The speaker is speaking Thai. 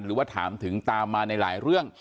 หรือว่าถามถึงตามมาในหลายเรื่อง